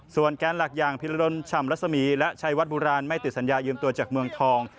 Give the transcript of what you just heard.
แกนหลักอย่างพิรดลฉ่ำรัศมีและชัยวัดโบราณไม่ติดสัญญายืมตัวจากเมืองทอง